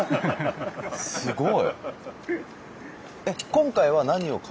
すごい。